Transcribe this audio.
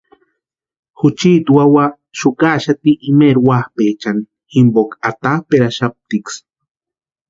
Juchiti wawa xukaxati imeeri wapʼaechani jimpoka atapʼeraxaptiksï.